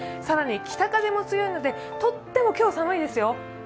更に北風も強いので、とっても今日寒いですよ。